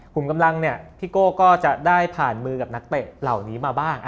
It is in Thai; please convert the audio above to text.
กลุ่มกำลังเนี่ยพี่โก้ก็จะได้ผ่านมือกับนักเตะเหล่านี้มาบ้าง